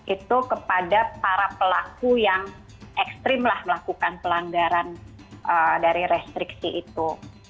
itu kepada para pelaku yang ekstrim lah melakukan pelanggaran dari restriksi itu